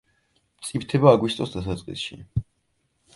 მწიფდება აგვისტოს დასაწყისში.